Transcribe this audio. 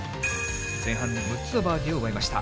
前半６つのバーディーを奪いました。